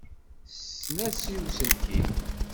Tessens-as i uselkim.